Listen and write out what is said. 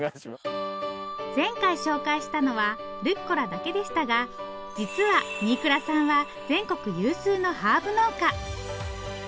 前回紹介したのはルッコラだけでしたが実は新倉さんは全国有数のハーブ農家。